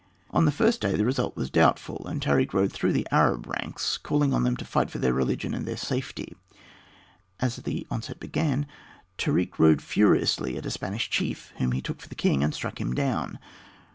On the first day the result was doubtful, and Tarik rode through the Arab ranks, calling on them to fight for their religion and their safety. As the onset began, Tarik rode furiously at a Spanish chief whom he took for the king, and struck him down.